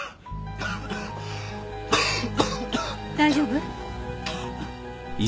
大丈夫？